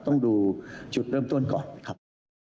ต้องดูจุดเริ่มต้นก่อนครับ